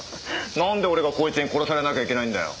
なんで俺がこいつに殺されなきゃいけないんだよ。